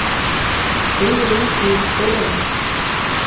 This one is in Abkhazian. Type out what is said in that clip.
Уи уаҩгьы издырам.